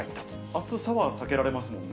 暑さは避けられますもんね。